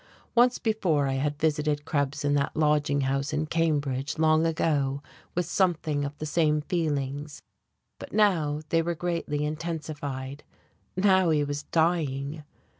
Once before I had visited Krebs in that lodging house in Cambridge long ago with something of the same feelings. But now they were greatly intensified. Now he was dying....